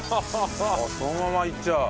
そのままいっちゃう。